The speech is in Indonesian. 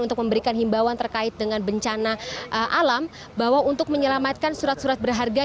untuk memberikan himbauan terkait dengan bencana alam bahwa untuk menyelamatkan surat surat berharga